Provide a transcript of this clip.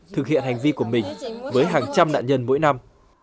thực hiện hành vi của mình với hàng trăm nạn nhân mỗi năm